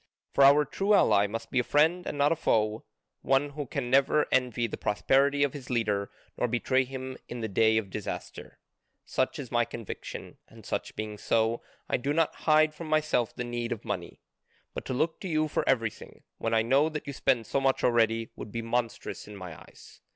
For our true ally must be a friend and not a foe, one who can never envy the prosperity of his leader nor betray him in the day of disaster. Such is my conviction, and such being so, I do not hide from myself the need of money. But to look to you for everything, when I know that you spend so much already, would be monstrous in my eyes.